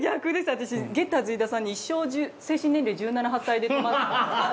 私ゲッターズ飯田さんに一生精神年齢１７１８歳で止まって。